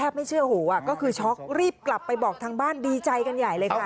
ไม่เชื่อหูอ่ะก็คือช็อกรีบกลับไปบอกทางบ้านดีใจกันใหญ่เลยค่ะ